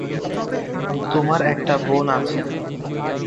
তোমার একটা বোন আছে।